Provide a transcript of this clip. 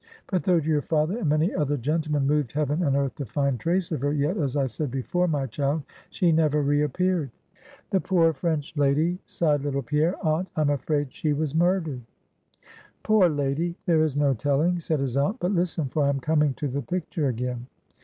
But though your father and many other gentlemen moved heaven and earth to find trace of her, yet, as I said before, my child, she never re appeared." "The poor French lady!" sighed little Pierre. "Aunt, I'm afraid she was murdered." "Poor lady, there is no telling," said his aunt. "But listen, for I am coming to the picture again.